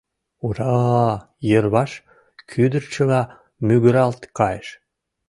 — Ура-а-а! — йырваш кӱдырчыла мӱгыралт кайыш.